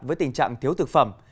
với tình trạng thiếu thực phẩm